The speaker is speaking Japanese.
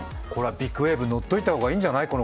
ビッグウェーブ乗っておいた方がいいんじゃない？